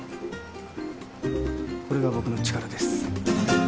これが僕の力です。